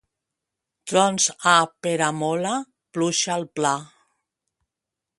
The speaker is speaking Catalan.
Trons a Peramola, pluja al pla.